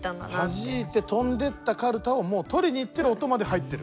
はじいてとんでったカルタを取りに行ってる音まで入ってる？